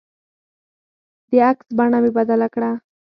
د عکس بڼه مې بدله کړه.